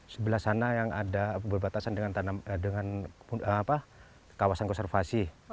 sebelah sana yang ada berbatasan dengan kawasan konservasi